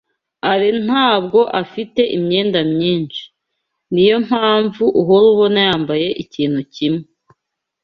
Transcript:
Alain ntabwo afite imyenda myinshi. Niyo mpamvu uhora ubona yambaye ikintu kimwe.